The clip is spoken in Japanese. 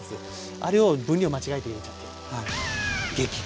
あれを分量間違えて入れちゃって激辛。